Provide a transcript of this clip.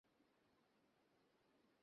ওম, তুমি তাকে মারবে না।